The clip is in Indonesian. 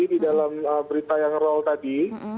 di dalam berita yang roll tadi